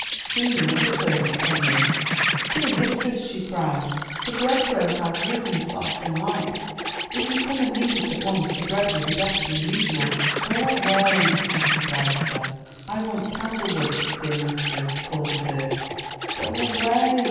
Soon another servant came in. Dear mistress," she cried, ''the bread dough has risen soft and light. If you come and knead it at once, the bread will be better than usual." *'Go away!" answered Elsa. "I want candlewicks, dear mistress," called a third. "Go away!"